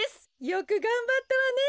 よくがんばったわね。